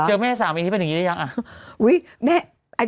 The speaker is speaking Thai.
แม่สามีที่เป็นอย่างนี้หรือยังอ่ะ